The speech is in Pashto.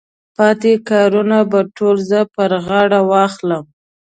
پاتې کارونه به ټول زه پر غاړه واخلم.